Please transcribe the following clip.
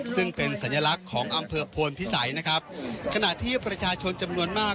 ซึ่งเป็นสัญลักษณ์ของอำเภอโพนพิสัยนะครับขณะที่ประชาชนจำนวนมาก